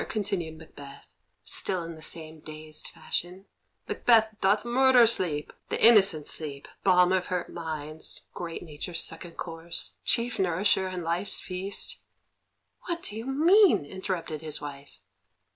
'" continued Macbeth, still in the same dazed fashion: "'Macbeth doth murder sleep' the innocent sleep, balm of hurt minds, great nature's second course, chief nourisher in life's feast " "What do you mean?" interrupted his wife.